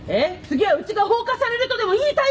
次はうちが放火されるとでも言いたいの！？